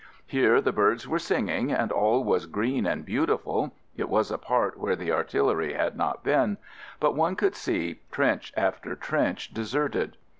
Here the birds were singing and all was green and beautiful (it was a part where the ar tillery had not been) but one could see trench after trench deserted.